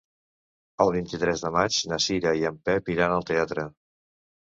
El vint-i-tres de maig na Cira i en Pep iran al teatre.